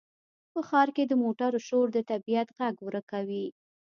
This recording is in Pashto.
په ښار کې د موټرو شور د طبیعت غږ ورکوي.